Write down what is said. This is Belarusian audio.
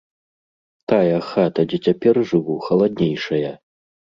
Тая хата, дзе цяпер жыву, халаднейшая.